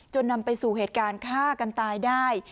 นำไปสู่เหตุการณ์ฆ่ากันตายได้